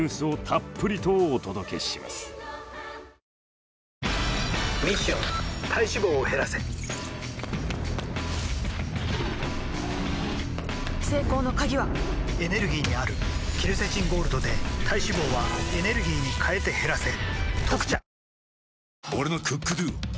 ミッション体脂肪を減らせ成功の鍵はエネルギーにあるケルセチンゴールドで体脂肪はエネルギーに変えて減らせ「特茶」